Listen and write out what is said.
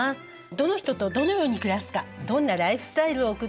どの人とどのように暮らすかどんなライフスタイルを送っていくかっていうのは